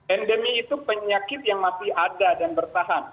endemi itu penyakit yang masih ada dan bertahan